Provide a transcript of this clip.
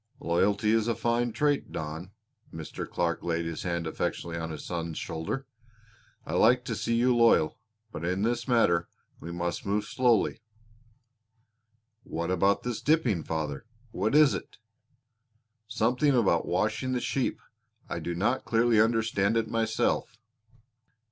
"Loyalty is a fine trait, Don." Mr. Clark laid his hand affectionately on his son's shoulder. "I like to see you loyal. But in this matter we must move slowly." "What about this dipping, father? What is it?" "Something about washing the sheep. I do not clearly understand it myself."